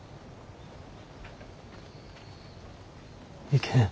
いけん。